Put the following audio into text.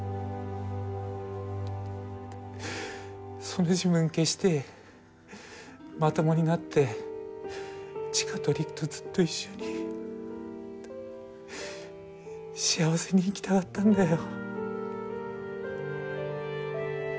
その自分消してまともになって千佳と璃久とずっと一緒に幸せに生きたかったんだよ。